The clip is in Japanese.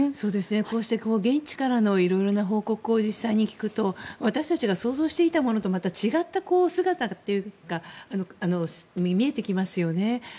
こうして現地からのいろいろな報告を実際に聞くと私たちが想像していたものとまた違った姿に見えてきますよね。